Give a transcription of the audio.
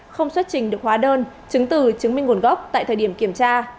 không xuất trình được hóa đơn chứng từ chứng minh nguồn gốc tại thời điểm kiểm tra